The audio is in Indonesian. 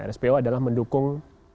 rspo adalah mendukung